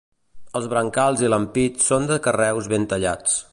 Els brancals i l'ampit són de carreus ben tallats.